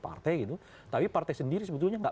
partai gitu tapi partai sendiri sebetulnya nggak